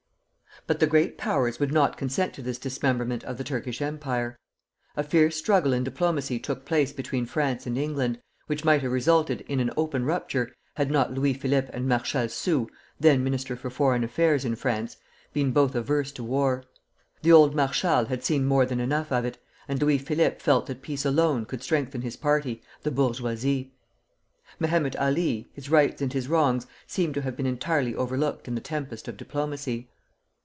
But the Great Powers would not consent to this dismemberment of the Turkish Empire. A fierce struggle in diplomacy took place between France and England, which might have resulted in an open rupture, had not Louis Philippe and Marshal Soult (then Minister for Foreign Affairs in France) been both averse to war. The old marshal had seen more than enough of it, and Louis Philippe felt that peace alone could strengthen his party, the bourgeoisie. Mehemet Ali, his rights and his wrongs, seem to have been entirely overlooked in the tempest of diplomacy.